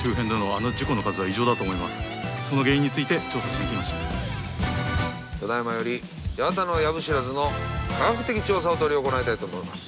［相見親子］ただ今より八幡の藪知らずの科学的調査を執り行いたいと思います。